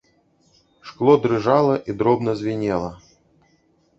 Шкло дрыжала і дробна звінела.